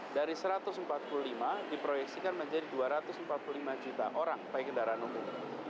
dari satu ratus empat puluh lima diproyeksikan menjadi dua ratus empat puluh lima juta orang baik kendaraan umum